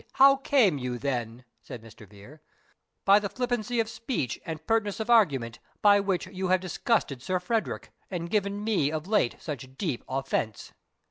how came you, then," said Mr. Vere, "by the flippancy of speech, and pertness of argument, by which you have disgusted Sir Frederick, and given me of late such deep offence?"